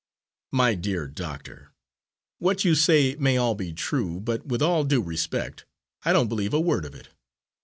"My dear doctor, what you say may all be true, but, with all due respect, I don't believe a word of it.